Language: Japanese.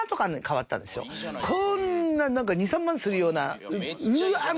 こんななんか２３万するようなうわっ！